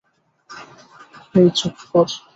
এই চুপ কর!